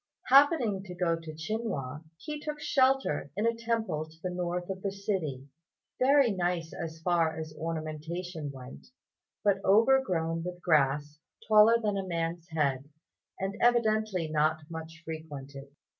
Happening to go to Chinhua, he took shelter in a temple to the north of the city; very nice as far as ornamentation went, but overgrown with grass taller than a man's head, and evidently not much frequented.